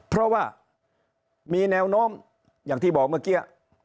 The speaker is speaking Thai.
เพราะว่ามีแนวโน้มอย่างที่บอกเมื่อกี้